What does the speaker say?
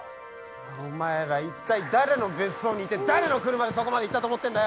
お前ら誰の別荘にいて誰の車でそこまで行ったと思ってんだよ！